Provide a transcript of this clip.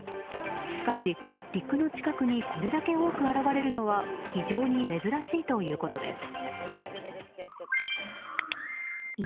しかし、陸の近くにこれだけ多く現れるのは非常に珍しいということです。